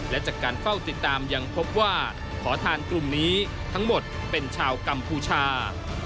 และจากการเฝ้าติดตามยังพบว่าขอทานกลุ่มนี้ทั้งหมดเป็นชาวกัมพูชา